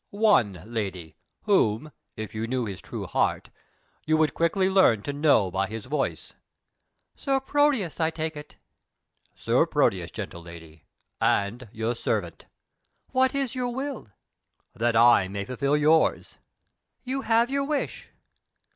"One, lady, whom if you knew his true heart you would quickly learn to know by his voice." "Sir Proteus, as I take it." "Sir Proteus, gentle lady, and your servant." "What is your will?" "That I may fulfil yours." "You have your wish.